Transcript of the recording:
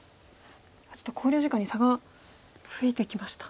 ちょっと考慮時間に差がついてきました。